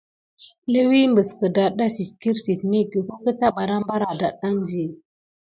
Léwi mis gəldada sit kirti mimeko keta bana bar adati.